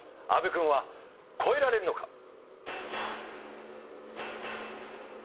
阿部君は越えられるのか？